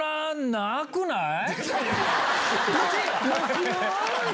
「なくない？」。